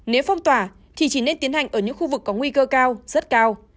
nếu phong tỏa thì chỉ nên tiến hành ở những khu vực có nguy cơ cao rất cao